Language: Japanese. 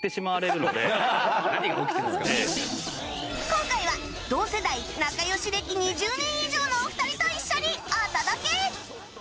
今回は同世代仲良し歴２０年以上のお二人と一緒にお届け！